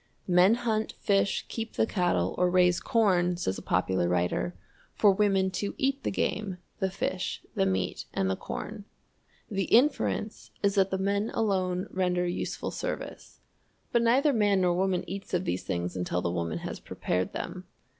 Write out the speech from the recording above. "Men hunt, fish, keep the cattle, or raise corn," says a popular writer, "for women to eat the game, the fish, the meat, and the corn." The inference is that the men alone render useful service. But neither man nor woman eats of these things until the woman has prepared them.